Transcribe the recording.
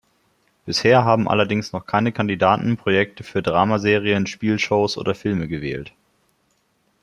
Bisher haben allerdings noch keine Kandidaten Projekte für Dramaserien, Spielshows oder Filme gewählt.